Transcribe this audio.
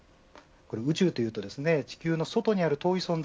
宇宙というと地球の外にある遠い存在